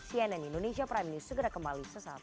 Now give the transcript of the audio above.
cnn indonesia prime news segera kembali sesaat lagi